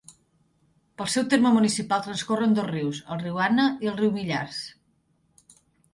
Pel seu terme municipal transcorren dos rius; el riu Anna i el riu Millars.